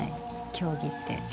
競技って。